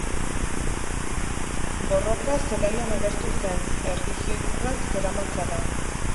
Borroka zelaian agertu zen, erlijio ikurrak zeramatzala.